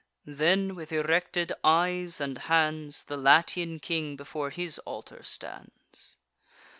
Then, with erected eyes and hands, The Latian king before his altar stands.